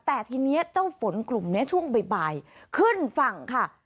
แต่ทีนี้เจ้าฝนกลุ่มนี้ช่วงบ่ายขึ้นฝั่งค่ะ